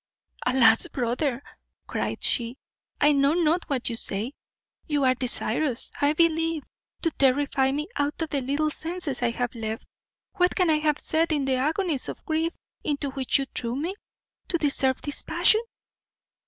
"Alas! brother," cried she, "I know not what you say; you are desirous, I believe, to terrify me out of the little senses I have left. What can I have said, in the agonies of grief into which you threw me, to deserve this passion?"